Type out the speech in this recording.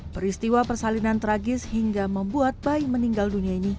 peristiwa persalinan tragis hingga membuat bayi meninggal dunia ini